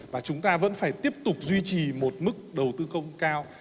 và chúng ta vẫn phải tiếp tục duy trì một mức đầu tư công cao